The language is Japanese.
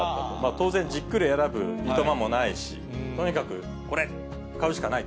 当然、じっくり選ぶ暇もないし、とにかく、これ、買うしかない。